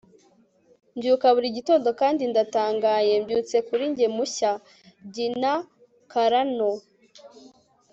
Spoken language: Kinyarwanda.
mbyuka buri gitondo kandi ndatangaye. mbyutse kuri njye mushya. - gina carano